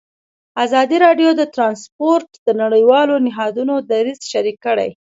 ازادي راډیو د ترانسپورټ د نړیوالو نهادونو دریځ شریک کړی.